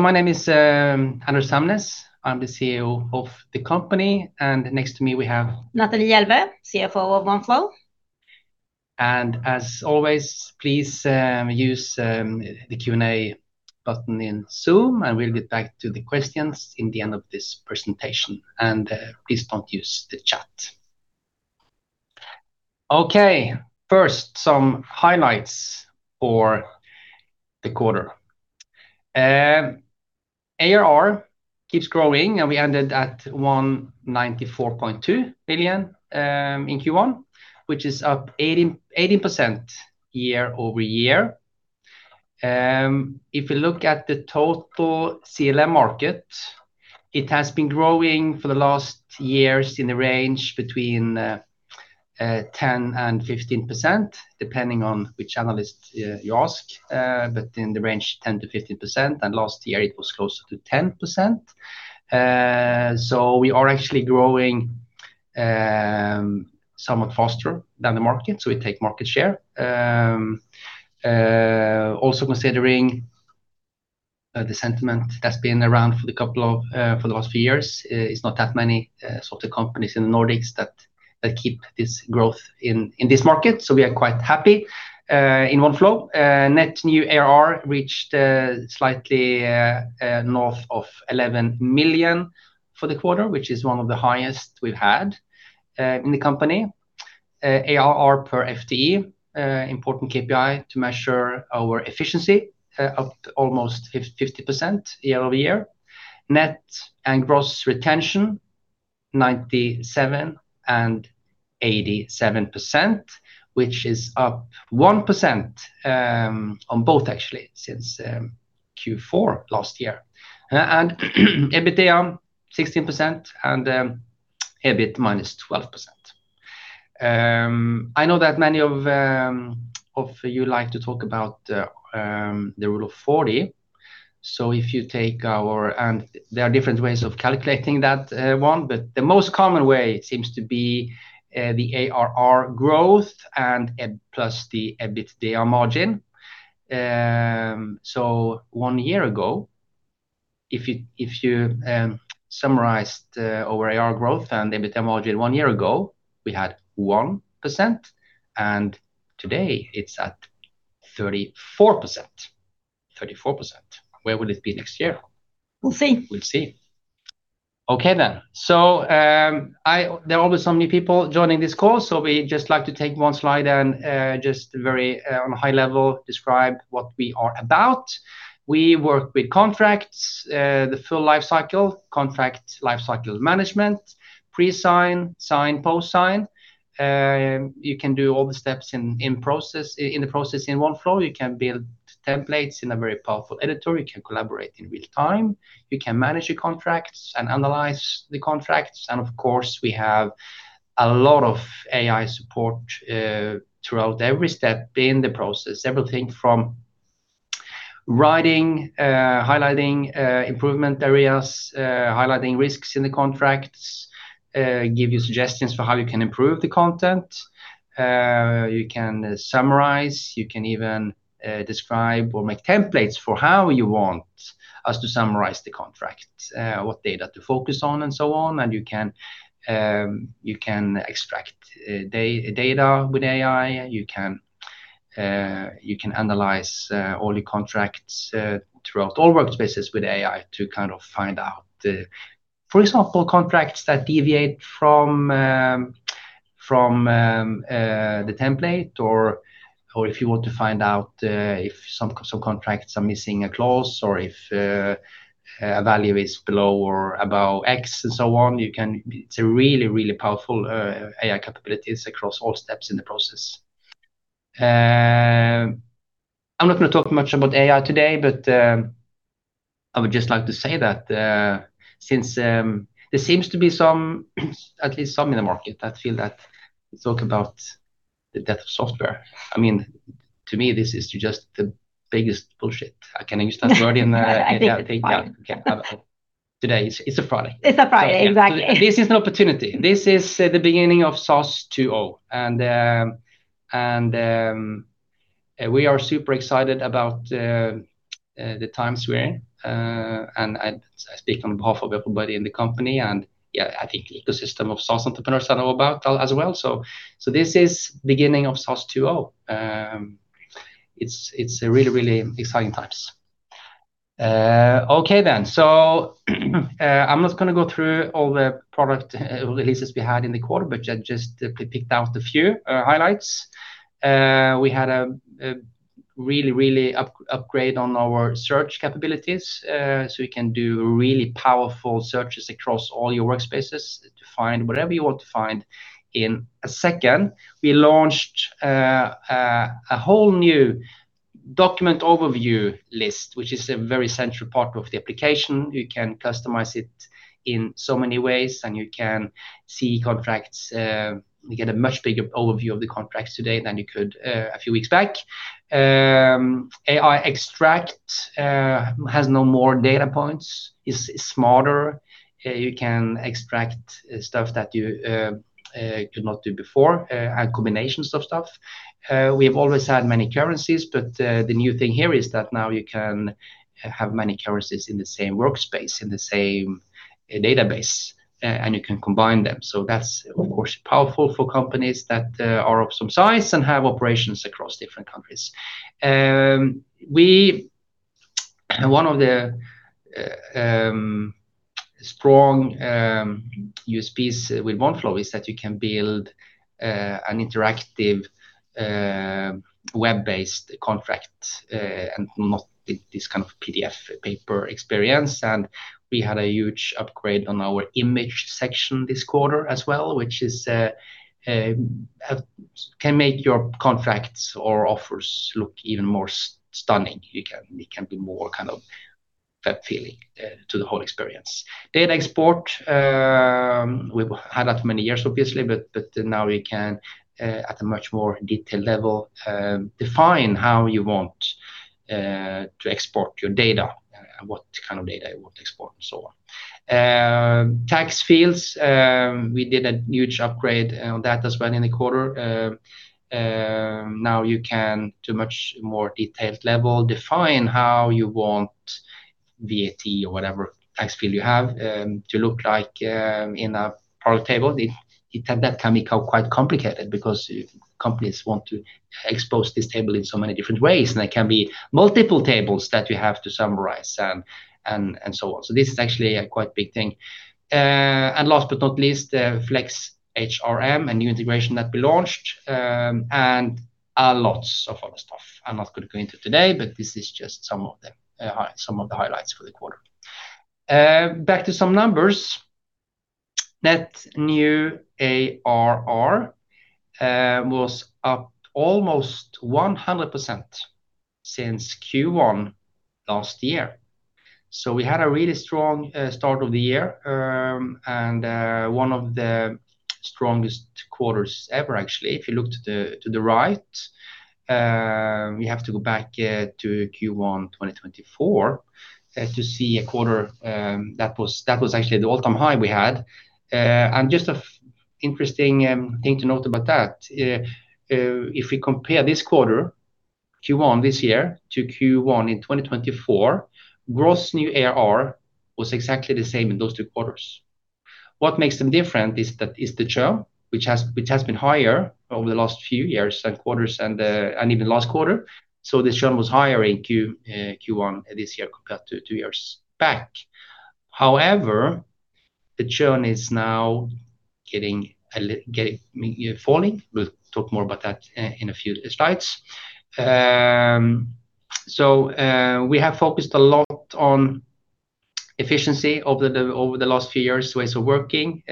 My name is, Anders Hamnes. I'm the CEO of the company, and next to me we have Natalie Jelveh, CFO of Oneflow. Please use the Q&A button in Zoom, and we'll get back to the questions in the end of this presentation. Please don't use the chat. First, some highlights for the quarter. ARR keeps growing, and we ended at 194.2 million in Q1, which is up 80% year-over-year. If you look at the total CLM market, it has been growing for the last years in the range between 10% and 15%, depending on which analyst you ask. In the range 10%-15%, and last year it was closer to 10%. We are actually growing somewhat faster than the market, so we take market share. Also considering the sentiment that's been around for the last few years, it's not that many sort of companies in the Nordics that keep this growth in this market, so we are quite happy. In Oneflow, net new ARR reached slightly north of 11 million for the quarter, which is one of the highest we've had in the company. ARR per FTE, important KPI to measure our efficiency, up almost 50% year-over-year. Net and gross retention, 97% and 87%, which is up 1% on both actually since Q4 last year. EBITDA, 16%, and EBIT minus 12%. I know that many of you like to talk about the Rule of 40. There are different ways of calculating that, but the most common way seems to be the ARR growth and plus the EBITDA margin. One year ago, if you summarized our ARR growth and EBITDA margin one year ago, we had 1%, and today it's at 34%. 34%. Where will it be next year? We'll see. We'll see. Okay. There are always so many people joining this call, so we just like to take one slide and just very on a high level describe what we are about. We work with contracts, the full life cycle, contract life cycle management, pre-sign, sign, post-sign. You can do all the steps in the process in Oneflow. You can build templates in a very powerful editor. You can collaborate in real time. You can manage your contracts and analyze the contracts. Of course, we have a lot of AI support throughout every step in the process. Everything from writing, highlighting, improvement areas, highlighting risks in the contracts, give you suggestions for how you can improve the content. You can summarize. You can even describe or make templates for how you want us to summarize the contract, what data to focus on and so on. You can extract data with AI. You can analyze all your contracts throughout all workspaces with AI to kind of find out, for example, contracts that deviate from from the template or if you want to find out if some contracts are missing a clause or if a value is below or above X and so on. It's a really, really powerful AI capabilities across all steps in the process. I'm not gonna talk much about AI today, I would just like to say that since there seems to be some, at least some in the market that feel that talk about the death of software. I mean, to me, this is just the biggest bullshit. Can I use that word in? I think it's fine Yeah. Okay. Today, it's a Friday. It's a Friday. Exactly. This is an opportunity. This is the beginning of SaaS 2.0. We are super excited about the times we're in. I speak on behalf of everybody in the company, and yeah, I think the ecosystem of SaaS entrepreneurs I know about all as well. This is beginning of SaaS 2.0. It's a really exciting times. I'm not gonna go through all the product releases we had in the quarter, but just picked out a few highlights. We had a really upgrade on our search capabilities. You can do really powerful searches across all your workspaces to find whatever you want to find in a second. We launched a whole new document overview list, which is a very central part of the application. You can customize it in so many ways, and you can see contracts. You get a much bigger overview of the contracts today than you could a few weeks back. AI Extract has now more data points. It's smarter. You can extract stuff that you could not do before, and combinations of stuff. We have always had many currencies, but the new thing here is that now you can have many currencies in the same workspace, in the same database, and you can combine them. That's, of course, powerful for companies that are of some size and have operations across different countries. One of the strong USPs with Oneflow is that you can build an interactive, web-based contract, and not this kind of PDF paper experience. We had a huge upgrade on our image section this quarter as well, which is can make your contracts or offers look even more stunning. It can be more kind of that feeling to the whole experience. Data export, we've had that for many years, obviously, but now you can at a much more detailed level define how you want to export your data, what kind of data you want to export and so on. Tax fields, we did a huge upgrade on that as well in the quarter. Now you can, to a much more detailed level, define how you want VAT or whatever tax field you have, to look like in a product table. That can become quite complicated because companies want to expose this table in so many different ways, and there can be multiple tables that you have to summarize and so on. This is actually a quite big thing. Last but not least, Flex HRM, a new integration that we launched, and lots of other stuff I'm not gonna go into today, but this is just some of them, some of the highlights for the quarter. Back to some numbers. Net new ARR was up almost 100% since Q1 last year. We had a really strong start of the year, and one of the strongest quarters ever, actually. If you look to the right, we have to go back to Q1 2024 to see a quarter that was actually the all-time high we had. Just a interesting thing to note about that, if we compare this quarter, Q1 this year to Q1 in 2024, gross new ARR was exactly the same in those two quarters. What makes them different is that is the churn, which has been higher over the last few years and quarters and even last quarter. The churn was higher in Q1 this year compared to two years back. However, the churn is now getting falling. We'll talk more about that in a few slides. We have focused a lot on efficiency over the last few years, ways of working.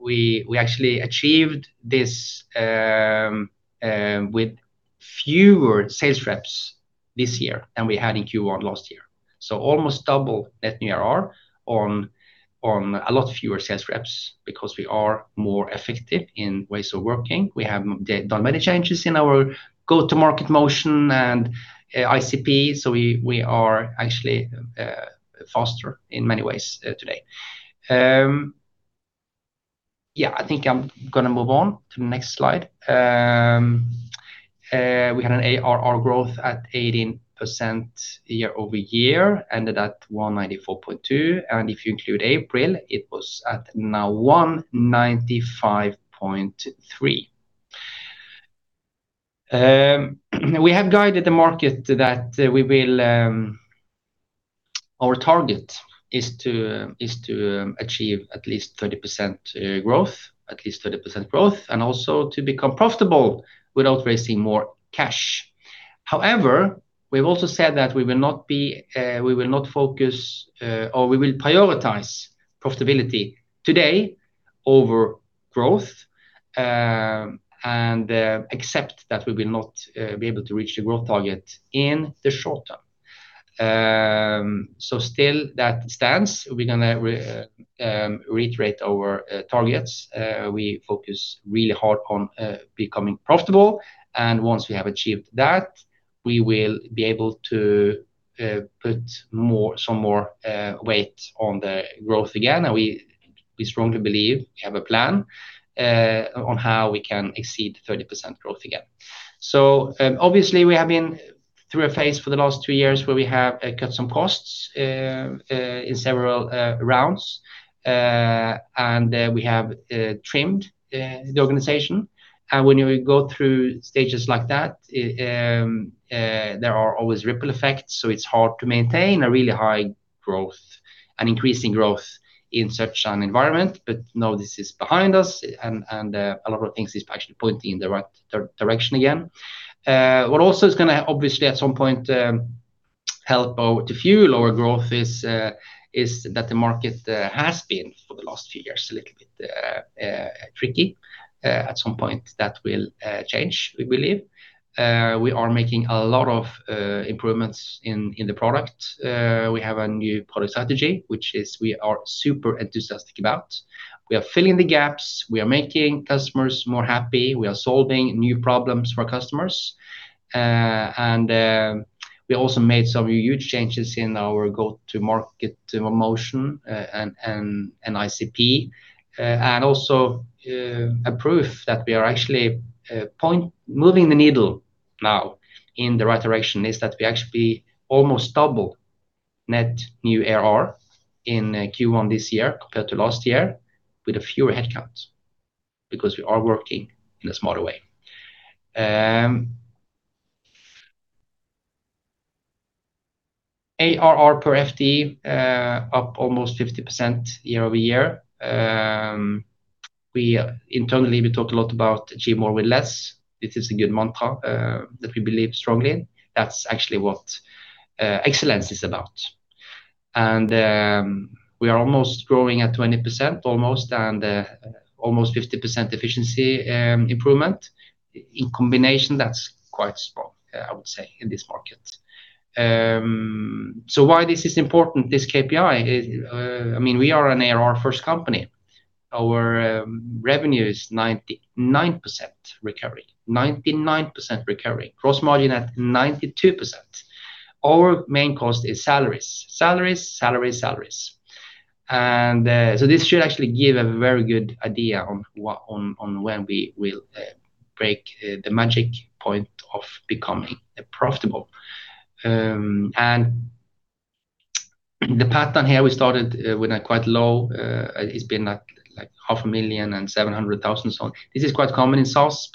We actually achieved this with fewer sales reps this year than we had in Q1 last year. Almost double net new ARR on a lot fewer sales reps because we are more effective in ways of working. We have done many changes in our go-to-market motion and ICP, we are actually faster in many ways today. I think I'm gonna move on to the next slide. We had an ARR growth at 18% year-over-year, ended at 194.2, and if you include April, it was at now 195.3. We have guided the market that we will Our target is to achieve at least 30% growth, and also to become profitable without raising more cash. However, we've also said that we will not be, we will not focus, or we will prioritize profitability today over growth, and accept that we will not be able to reach the growth target in the short term. Still that stands. We're gonna reiterate our targets. We focus really hard on becoming profitable, and once we have achieved that, we will be able to put more, some more weight on the growth again. We strongly believe we have a plan on how we can exceed 30% growth again. Obviously, we have been through a phase for the last two years where we have cut some costs in several rounds, and we have trimmed the organization. When you go through stages like that, there are always ripple effects, so it's hard to maintain a really high growth and increasing growth in such an environment. Now this is behind us and a lot of things is actually pointing in the right direction again. What also is gonna obviously at some point help or to fuel our growth is that the market has been for the last few years a little bit tricky. At some point that will change, we believe. We are making a lot of improvements in the product. We have a new product strategy, which is we are super enthusiastic about. We are filling the gaps. We are making customers more happy. We are solving new problems for our customers. We also made some huge changes in our go-to-market motion and ICP. Also, a proof that we are actually moving the needle now in the right direction is that we actually almost doubled net new ARR in Q1 this year compared to last year with a fewer headcount. Because we are working in a smarter way. ARR per FTE up almost 50% year-over-year. Internally, we talk a lot about achieve more with less. It is a good mantra that we believe strongly in. That's actually what excellence is about. We are almost growing at 20% almost, and almost 50% efficiency improvement. In combination, that's quite strong, I would say, in this market. Why this is important, this KPI is, I mean, we are an ARR first company. Our revenue is 99% recurring. 99% recurring. Gross margin at 92%. Our main cost is salaries. Salaries, salaries. This should actually give a very good idea on when we will break the magic point of becoming profitable. The pattern here, we started with a quite low. It's been like, half a million SEK and 700,000. This is quite common in SaaS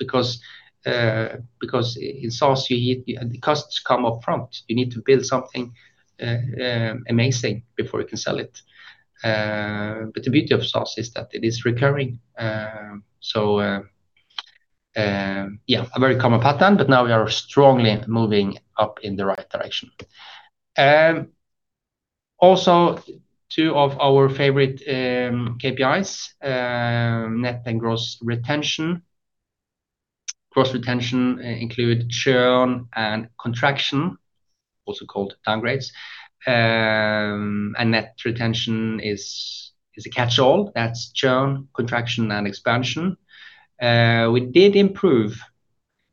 because in SaaS, the costs come up front. You need to build something amazing before you can sell it. The beauty of SaaS is that it is recurring. A very common pattern, but now we are strongly moving up in the right direction. Two of our favorite KPIs, net and gross retention. Gross retention include churn and contraction, also called downgrades. Net retention is a catch-all. That's churn, contraction, and expansion. We did improve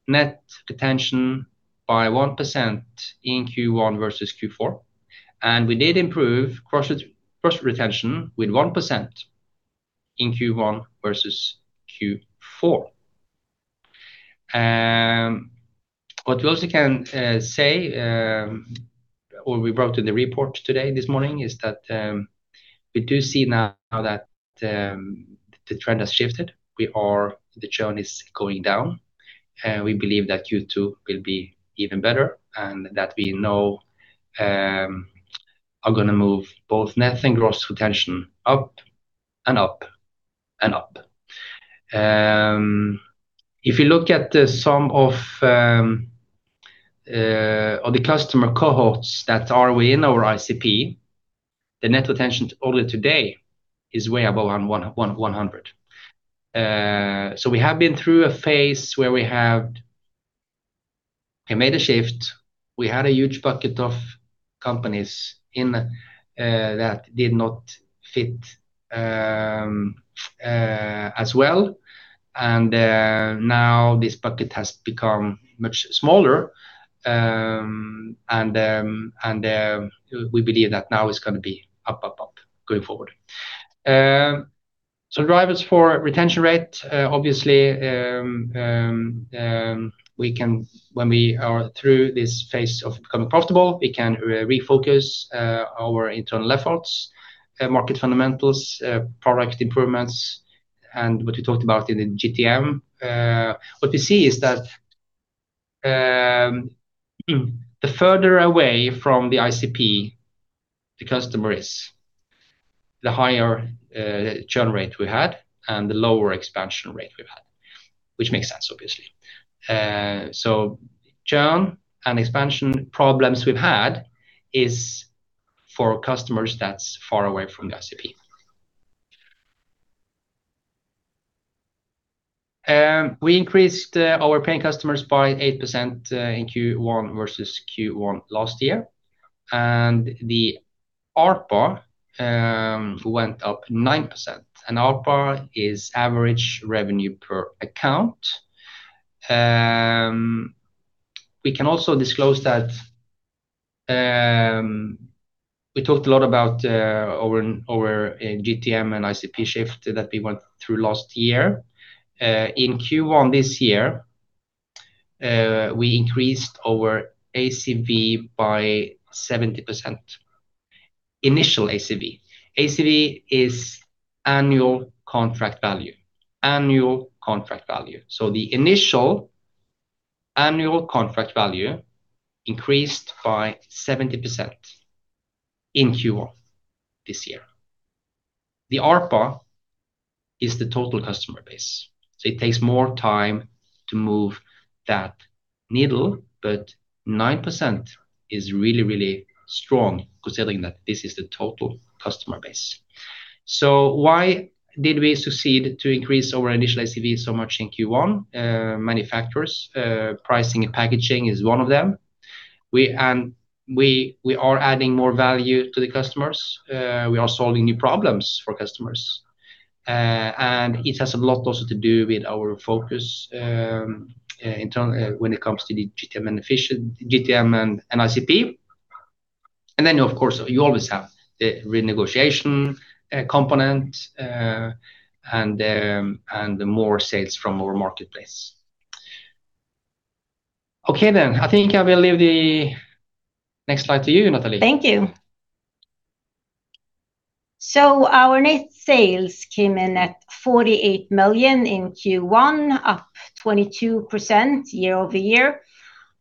net retention by 1% in Q1 versus Q4, and we did improve gross retention with 1% in Q1 versus Q4. What we also can say, or we wrote in the report today, this morning, is that we do see now that the trend has shifted. The churn is going down. We believe that Q2 will be even better and that we know, are going to move both net and gross retention up and up and up. If you look at the sum of the customer cohorts that are within our ICP, the net retention only today is way above 100%. We have been through a phase where we made a shift. We had a huge bucket of companies in that did not fit as well. Now this bucket has become much smaller. We believe that now it is going to be up, up going forward. Drivers for retention rate, obviously, when we are through this phase of becoming profitable, we can refocus our internal efforts, market fundamentals, product improvements, and what we talked about in the GTM. What we see is that the further away from the ICP the customer is, the higher churn rate we had and the lower expansion rate we've had, which makes sense obviously. Churn and expansion problems we've had is for customers that's far away from the ICP. We increased our paying customers by 8% in Q1 versus Q1 last year. The ARPA went up 9%. An ARPA is average revenue per account. We can also disclose that we talked a lot about our GTM and ICP shift that we went through last year. In Q1 this year, we increased our ACV by 70%. Initial ACV. ACV is Annual Contract Value. Annual contract value. The initial annual contract value increased by 70% in Q1 this year. The ARPA is the total customer base. It takes more time to move that needle, but 9% is really strong considering that this is the total customer base. Why did we succeed to increase our initial ACV so much in Q1? Manufacturers. Pricing and packaging is one of them. We are adding more value to the customers. We are solving new problems for customers. It has a lot also to do with our focus, internal when it comes to the GTM and efficient GTM and ICP. Of course, you always have the renegotiation component and more sales from our marketplace. Okay then. I think I will leave the next slide to you, Natalie. Thank you. Our net sales came in at 48 million in Q1, up 22% year-over-year.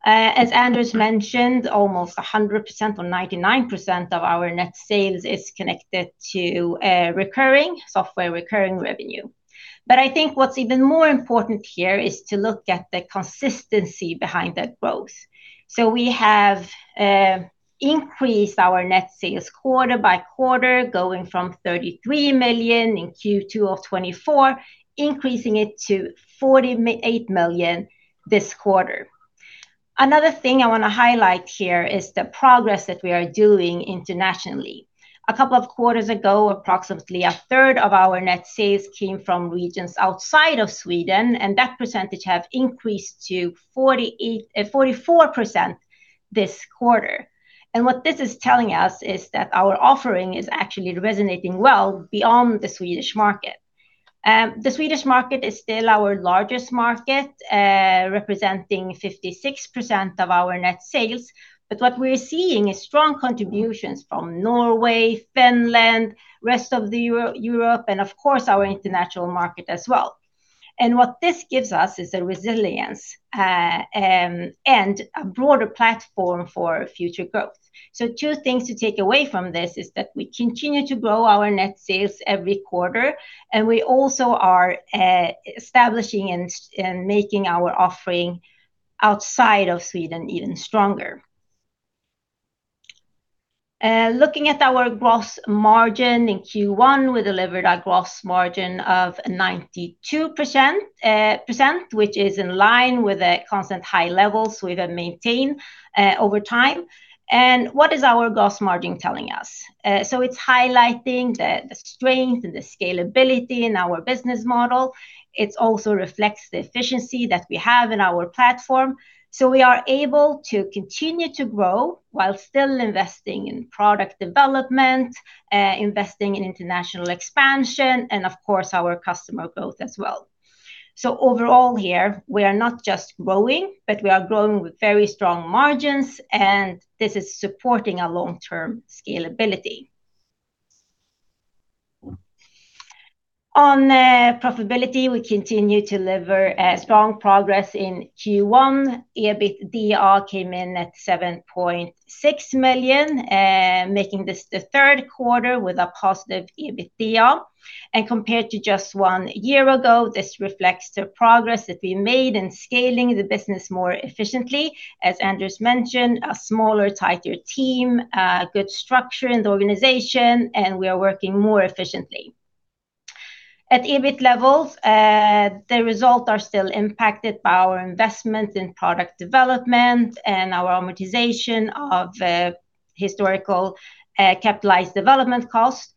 As Anders Hamnes mentioned, almost 100% or 99% of our net sales is connected to recurring, software recurring revenue. I think what's even more important here is to look at the consistency behind that growth. We have increased our net sales quarter by quarter, going from 33 million in Q2 of 2024, increasing it to 48 million this quarter. Another thing I wanna highlight here is the progress that we are doing internationally. A couple of quarters ago, approximately a third of our net sales came from regions outside of Sweden, and that percentage have increased to 48%, 44% this quarter. What this is telling us is that our offering is actually resonating well beyond the Swedish market. The Swedish market is still our largest market, representing 56% of our net sales, but what we're seeing is strong contributions from Norway, Finland, rest of Europe, and of course, our international market as well. What this gives us is a resilience and a broader platform for future growth. Two things to take away from this is that we continue to grow our net sales every quarter, and we also are establishing and making our offering outside of Sweden even stronger. Looking at our gross margin in Q1, we delivered a gross margin of 92%, which is in line with the constant high levels we have maintained over time. What is our gross margin telling us? It's highlighting the strength and the scalability in our business model. It also reflects the efficiency that we have in our platform. We are able to continue to grow while still investing in product development, investing in international expansion and of course, our customer growth as well. Overall here, we are not just growing, but we are growing with very strong margins, and this is supporting our long-term scalability. On profitability, we continue to deliver strong progress. In Q1, EBITDA came in at 7.6 million, making this the third quarter with a positive EBITDA. Compared to just one year ago, this reflects the progress that we made in scaling the business more efficiently. As Anders mentioned, a smaller, tighter team, a good structure in the organization, and we are working more efficiently. At EBIT levels, the result are still impacted by our investment in product development and our amortization of historical capitalized development cost.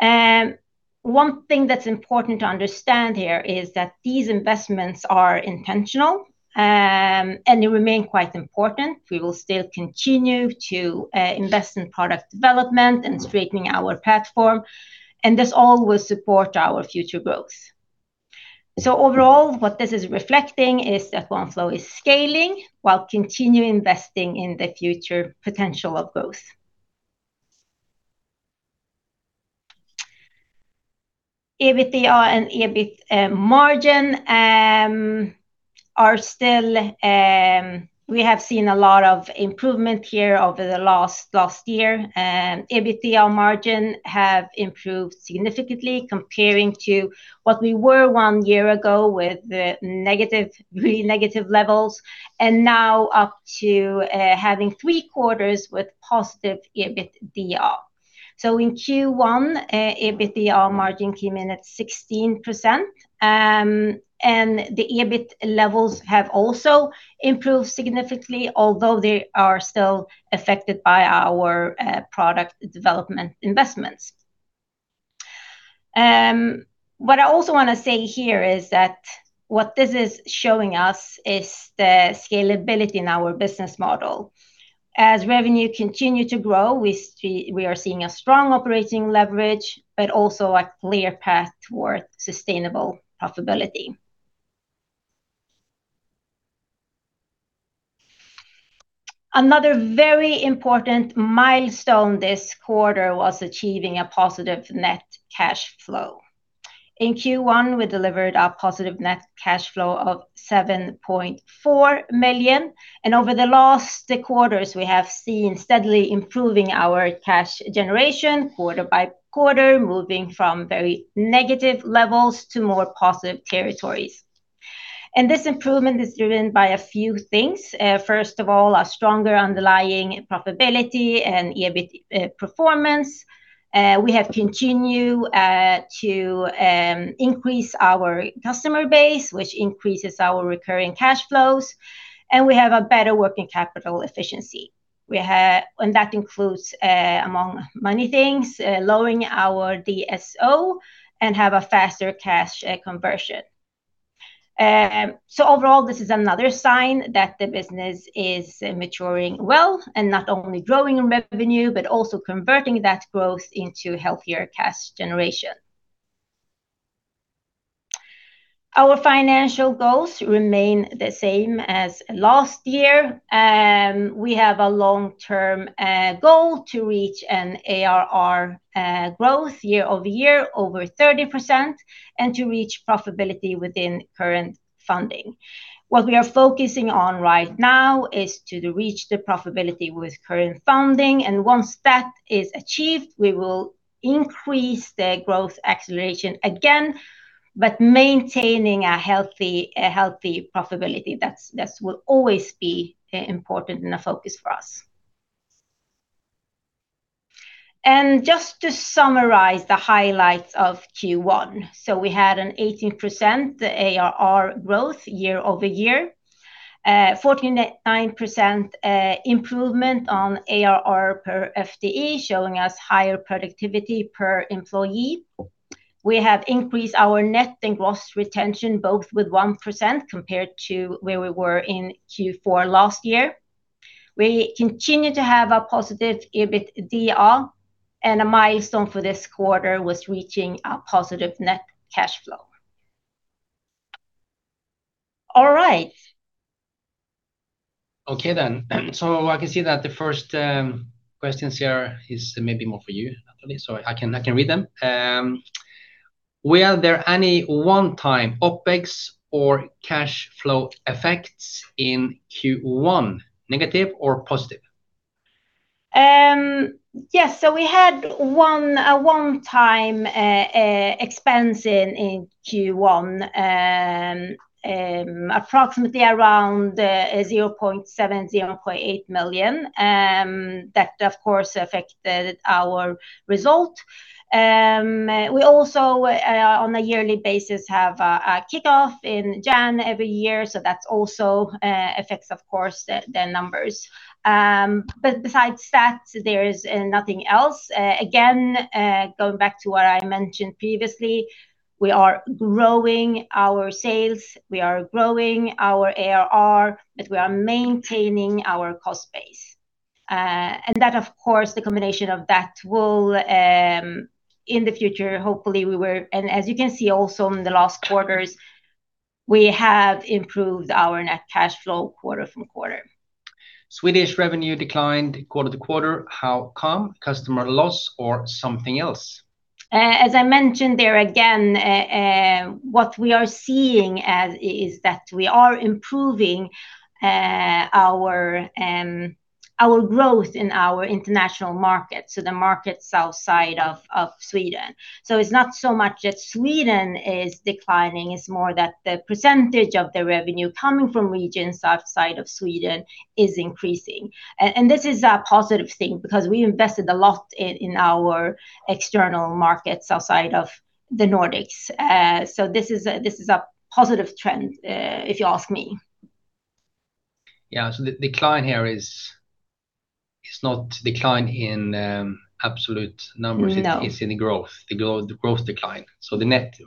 One thing that's important to understand here is that these investments are intentional, and they remain quite important. We will still continue to invest in product development and strengthening our platform, and this all will support our future growth. Overall, what this is reflecting is that Oneflow is scaling while continue investing in the future potential of growth. EBITDA and EBIT margin are still. We have seen a lot of improvement here over the last year. EBITDA margin have improved significantly comparing to what we were one year ago with the negative, really negative levels and now up to having three quarters with positive EBITDA. In Q1, EBITDA margin came in at 16%. The EBIT levels have also improved significantly, although they are still affected by our product development investments. What I also wanna say here is that what this is showing us is the scalability in our business model. As revenue continue to grow, we are seeing a strong operating leverage, but also a clear path towards sustainable profitability. Another very important milestone this quarter was achieving a positive net cash flow. In Q1, we delivered a positive net cash flow of 7.4 million, and over the last quarters, we have seen steadily improving our cash generation quarter by quarter, moving from very negative levels to more positive territories. This improvement is driven by a few things. First of all, a stronger underlying profitability and EBIT performance. We have continued to increase our customer base, which increases our recurring cash flows, and we have a better working capital efficiency. That includes among many things lowering our DSO and have a faster cash conversion. Overall, this is another sign that the business is maturing well and not only growing in revenue but also converting that growth into healthier cash generation. Our financial goals remain the same as last year. We have a long-term goal to reach an ARR year-over-year growth over 30% and to reach profitability within current funding. What we are focusing on right now is to reach the profitability with current funding, and once that is achieved, we will increase the growth acceleration again, but maintaining a healthy profitability. That will always be important and a focus for us. Just to summarize the highlights of Q1. We had an 18% ARR growth year-over-year. 49% improvement on ARR per FTE, showing us higher productivity per employee. We have increased our net and gross retention both with 1% compared to where we were in Q4 last year. We continue to have a positive EBITDA, and a milestone for this quarter was reaching a positive net cash flow. All right. I can see that the first questions here is maybe more for you, Natalie Jelveh, so I can read them. Were there any one-time OpEx or cash flow effects in Q1, negative or positive? Yes. We had a one-time expense in Q1. Approximately around 0.7, 0.8 million. That of course affected our result. We also, on a yearly basis, have a kickoff in January every year, that also affects, of course, the numbers. Besides that, there is nothing else. Again, going back to what I mentioned previously, we are growing our sales, we are growing our ARR, we are maintaining our cost base. That of course, the combination of that will, in the future, as you can see also in the last quarters, we have improved our net cash flow quarter-over-quarter. Swedish revenue declined quarter-to-quarter. How come? Customer loss or something else? As I mentioned there again, what we are seeing as is that we are improving our growth in our international market, so the market outside of Sweden. It's not so much that Sweden is declining, it's more that the percentage of the revenue coming from regions outside of Sweden is increasing. This is a positive thing because we invested a lot in our external markets outside of the Nordics. This is a positive trend, if you ask me. Yeah. The decline here is not decline in absolute numbers. No it's in growth. The growth decline.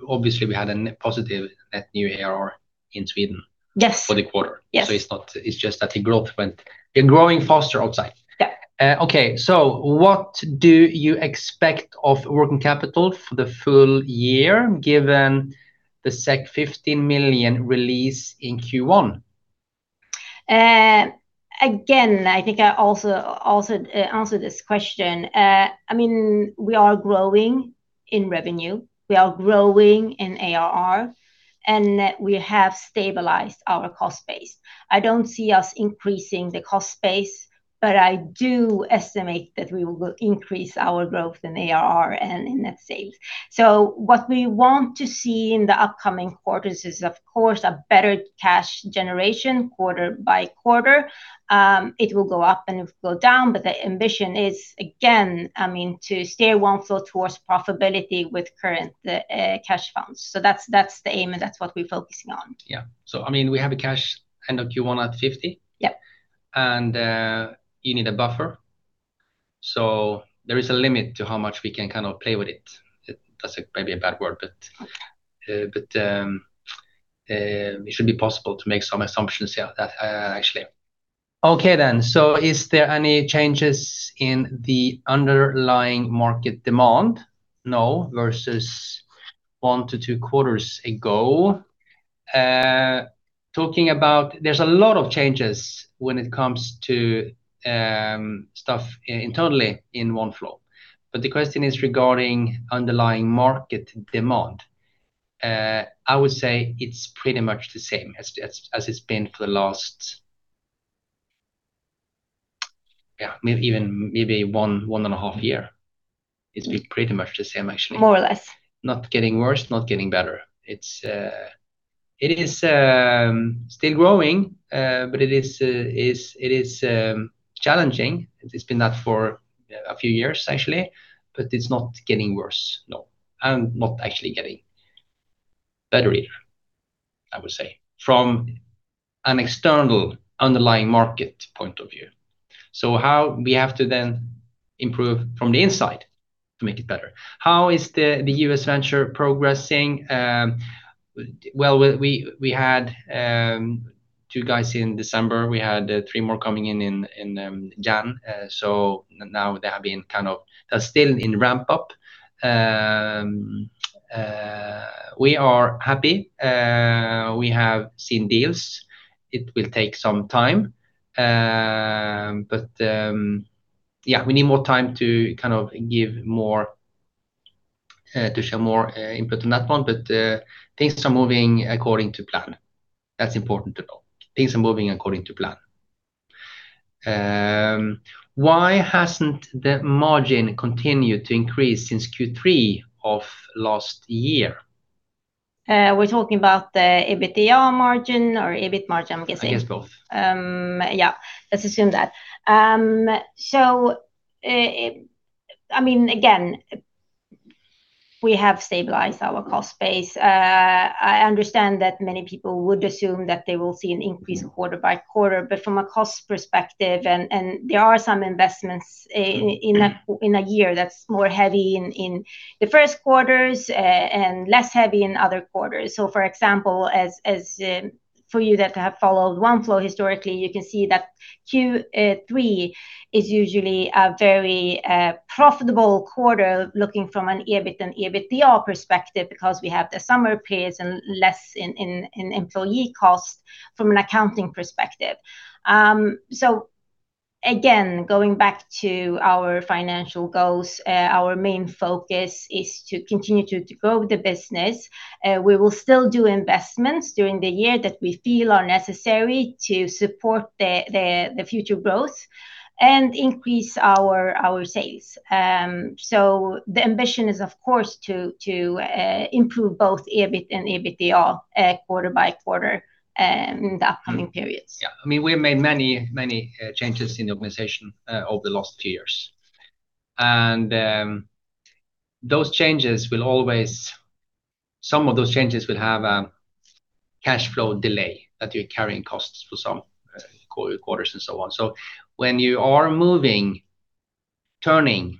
Obviously, we had a net positive net new ARR in Sweden. Yes for the quarter. Yes. You're growing faster outside. Yeah. Okay. What do you expect of working capital for the full year, given the 15 million release in Q1? Again, I think I also answered this question. I mean, we are growing in revenue, we are growing in ARR, and we have stabilized our cost base. I don't see us increasing the cost base, but I do estimate that we will increase our growth in ARR and in net sales. What we want to see in the upcoming quarters is, of course, a better cash generation quarter by quarter. It will go up and it will go down, but the ambition is, again, I mean, to stay Oneflow towards profitability with current cash funds. That's, that's the aim, and that's what we're focusing on. Yeah. I mean, we have a cash end of Q1 at 50. Yeah. You need a buffer. There is a limit to how much we can kind of play with it. That's maybe a bad word, but it should be possible to make some assumptions here that actually. Okay then. Is there any changes in the underlying market demand, no, versus one to two quarters ago? Talking about there's a lot of changes when it comes to stuff internally in Oneflow. The question is regarding underlying market demand. I would say it's pretty much the same as it's been for the last, yeah, even maybe 1 and a half year. It's been pretty much the same, actually. More or less. Not getting worse, not getting better. It is still growing, but it is challenging. It's been that for a few years, actually, but it's not getting worse, no, and not actually getting better either, I would say, from an external underlying market point of view. How we have to then improve from the inside to make it better. How is the U.S. venture progressing? Well, we had two guys in December. We had three more coming in in January. Now they have been kind of They're still in ramp-up. We are happy. We have seen deals. It will take some time. Yeah, we need more time to kind of give more to show more input on that one. Things are moving according to plan. That's important to know. Things are moving according to plan. Why hasn't the margin continued to increase since Q3 of last year? We're talking about the EBITDA margin or EBIT margin, I'm guessing? I guess both. Yeah. Let's assume that. I mean, again, we have stabilized our cost base. I understand that many people would assume that they will see an increase quarter by quarter, but from a cost perspective, and there are some investments in a year that's more heavy in the first quarters, and less heavy in other quarters. For example, as for you that have followed Oneflow historically, you can see that Q3 is usually a very profitable quarter looking from an EBIT and EBITDA perspective because we have the summer periods and less in employee cost from an accounting perspective. Again, going back to our financial goals, our main focus is to continue to grow the business. We will still do investments during the year that we feel are necessary to support the future growth and increase our sales. The ambition is of course to improve both EBIT and EBITDA, quarter by quarter, in the upcoming periods. I mean, we have made many changes in the organization over the last few years. Some of those changes will have a cashflow delay, that you're carrying costs for some quarters and so on. When you are moving, turning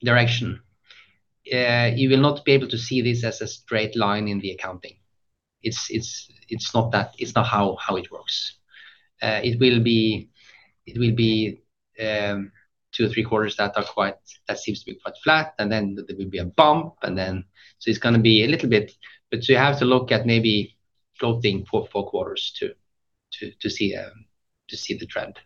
direction, you will not be able to see this as a straight line in the accounting. It's not that, it's not how it works. It will be two or three quarters that seems to be quite flat, there will be a bump. It's gonna be a little bit, you have to look at maybe 12 to four quarters to see the trend.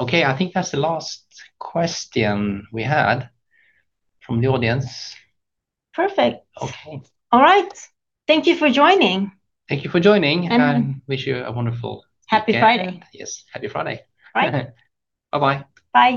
Okay. I think that's the last question we had from the audience. Perfect. Okay. All right. Thank you for joining. Thank you for joining. And- Wish you a wonderful weekend. Happy Friday. Yes. Happy Friday. Right. Bye-bye. Bye.